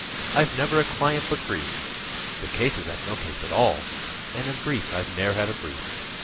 I've never a client but grief: The case is, I've no case at all, And in brief, I've ne'er had a brief!